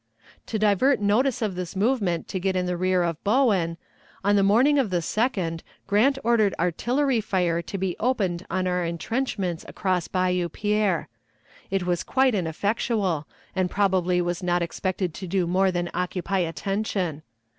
To divert notice from this movement to get in the rear of Bowen, on the morning of the 2d, Grant ordered artillery fire to be opened on our intrenchments across Bayou Pierre. It was quite ineffectual, and probably was not expected to do more than occupy attention.